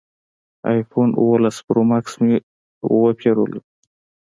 ایفون اوولس پرو ماکس مې وپېرلو